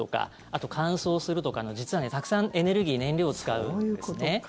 あと、乾燥するとかの実はたくさんエネルギー、燃料を使うんですね。